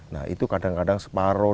nah itu kadang kadang separoh